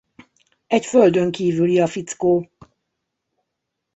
Egy földönkívüli a fickó!